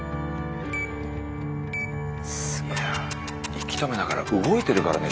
息止めながら動いてるからね